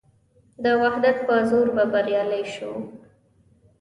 د وحدت په زور به بریالي شو.